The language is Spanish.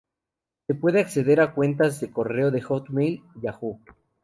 Se puede acceder a cuentas de correo de Hotmail, Yahoo!